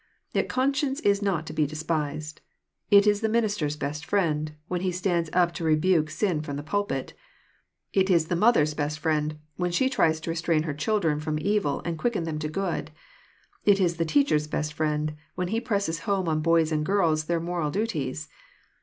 Tet conscience is not to be despised. It is the minister's best friend, when he stands up to rebuke sin fW)m the pulpit. It is the mother's best friend, when isfae tries to restrain her children from evil and quicken them to good. It is the teacher's best Mend, when he presses home on boys and girls their moral duties.